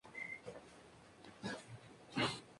Trabajó principalmente en Augsburgo.